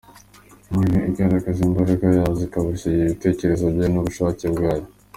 Muri bo Imana igaragaza imbaraga zayo, ikabahishurira ibitekerezo byayo n’ubushake bwayo.